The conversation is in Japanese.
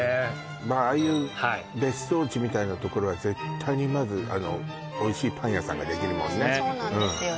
まあああいう別荘地みたいなところは絶対にまずおいしいパン屋さんができるもんねそうなんですよね